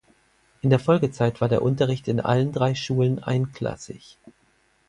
In der Folgezeit war der Unterricht in allen drei Schulen einklassig.